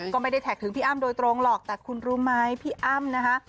ก็ไม่ได้แท็กถึงพี่อ้ำโดยตรงหรอกแต่คุณรู้ไหมพี่อ้ำนะคะ